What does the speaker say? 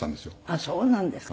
あっそうなんですか。